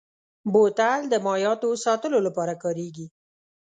بوتل د مایعاتو ساتلو لپاره کارېږي.